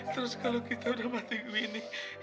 terus kalau kita udah mati begini